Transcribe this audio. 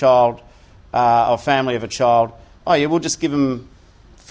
tidak ada gunanya memberikan anak anak atau keluarga anak anak